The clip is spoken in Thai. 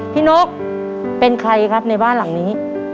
นกเป็นใครครับในบ้านหลังนี้